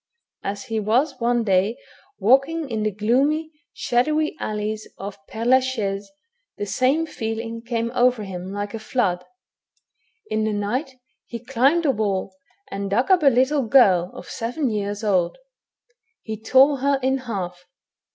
As he was one day walking in the gloomy, shadowy, alleys of Pdre la Chaise, the same feeling came over him like a flood. In the night he climbed the wall, and dug up a little girl of seven years old. He tore her in half.